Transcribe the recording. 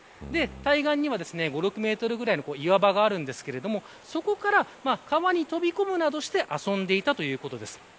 対岸には５、６メートルぐらいの岩場があるんですがそこから川に飛び込むなどして遊んでいたということです。